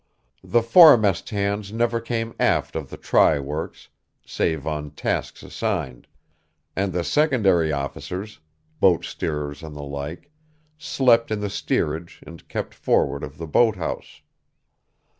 The foremast hands never came aft of the try works, save on tasks assigned; and the secondary officers boat steerers and the like slept in the steerage and kept forward of the boathouse.